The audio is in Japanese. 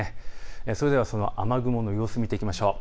それではその雨雲の様子を見ていきましょう。